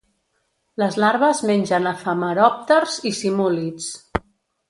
Les larves mengen efemeròpters i simúlids.